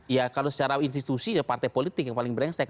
ya kalau secara institusi ya partai politik yang paling berengsek